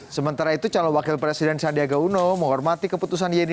sementara itu calon wakil presiden sandiaga uno menghormati keputusan yeni